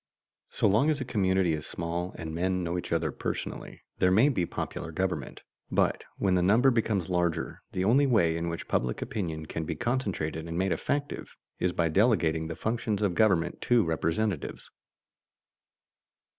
So long as a community is small and men know each other personally, there may be popular government, but when the number becomes larger the only way in which public opinion can be concentrated and made effective is by delegating the functions of government to representatives.